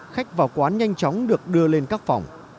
khách vào quán nhanh chóng được đưa lên các phòng